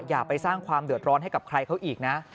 อย่าไปสร้างความเดือดร้อนให้กับใครเขาอีกนะ